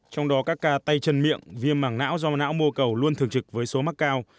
trong đó các ca tay chân miệng viêm mảng não do não mô cầu luôn thường trực với số mắc cao